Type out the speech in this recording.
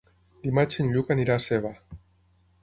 Dimarts en Lluc anirà a Seva.